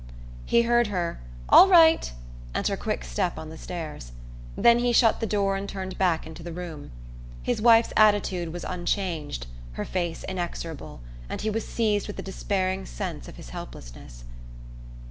He heard her "All right!" and her quick step on the stairs; then he shut the door and turned back into the room. His wife's attitude was unchanged, her face inexorable, and he was seized with the despairing sense of his helplessness.